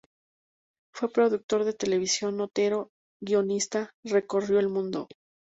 Fue productor de televisión, notero, guionista, recorrió el mundo.